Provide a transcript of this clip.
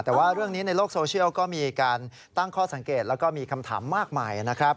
แต่ว่าเรื่องนี้ในโลกโซเชียลก็มีการตั้งข้อสังเกตแล้วก็มีคำถามมากมายนะครับ